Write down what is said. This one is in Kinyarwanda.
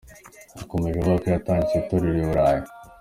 Yakomeje avuga ko yatangije itorero i burayi.